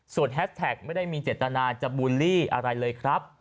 แฮสแท็กไม่ได้มีเจตนาจะบูลลี่อะไรเลยครับ